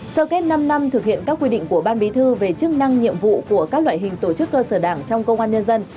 sơ kết năm năm thực hiện các quy định của ban bí thư về chức năng nhiệm vụ của các loại hình tổ chức cơ sở đảng trong công an nhân dân